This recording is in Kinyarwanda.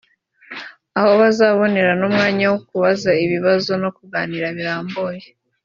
aho bazabonera n’umwanya wo kubaza ibibazo no kuganira birambuye